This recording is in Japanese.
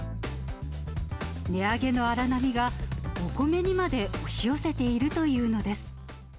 値上げの荒波がお米にまで押し寄せているというのです。